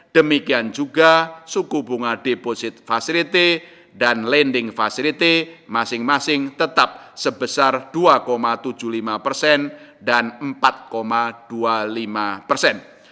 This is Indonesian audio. demikian juga suku bunga deposit facility dan lending facility masing masing tetap sebesar dua tujuh puluh lima persen dan empat dua puluh lima persen